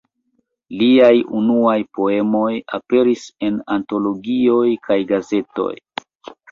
Liaj unuaj poemoj aperis en antologioj kaj gazetoj.